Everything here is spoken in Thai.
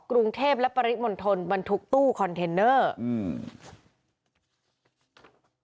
กรุงเทพและปริมณฑลบรรทุกตู้คอนเทนเนอร์อืม